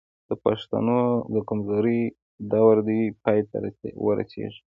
د پښتو د کمزورۍ دور دې پای ته ورسېږي.